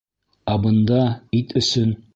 Ә бында... ит өсөн.